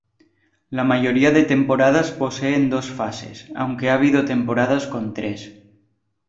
La mayoría de temporadas poseen dos fases, aunque ha habido temporadas con tres.